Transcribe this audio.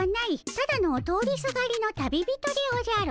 ただの通りすがりの旅人でおじゃる。